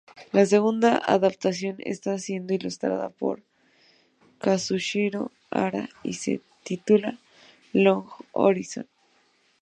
La segunda adaptación está siendo ilustrada por "Kazuhiro Hara" y se titula ""Log Horizon"".